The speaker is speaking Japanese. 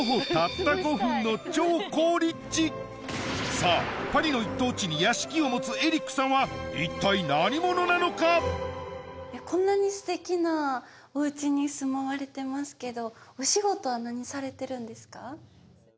さぁパリの一等地に屋敷を持つエリックさんはこんなにすてきなおうちに住まわれてますけど。